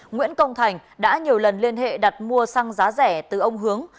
nguyễn công thành đã nhiều lần liên hệ đặt mua xăng giá rẻ từ ông hướng